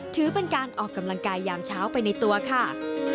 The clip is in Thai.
ถือเป็นการออกกำลังกายยามเช้าไปในตัวค่ะ